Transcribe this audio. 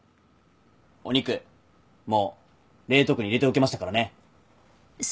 お肉もう冷凍庫に入れておきましたからね。